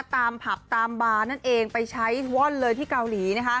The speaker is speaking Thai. ตามผับตามบาร์นั่นเองไปใช้ว่อนเลยที่เกาหลี